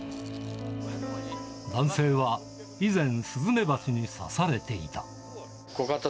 男性は以前、スズメバチに刺されていた。